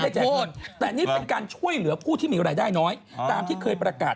ใช้คำว่า